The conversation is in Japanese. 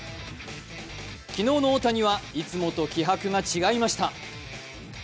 昨日の大谷はいつもと気迫が違いました。